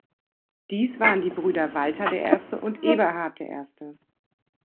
Dies waren die Brüder Walter der Erste und Eberhard der Erste.